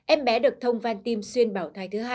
em bé được thông van tim xuyên bảo thai thứ hai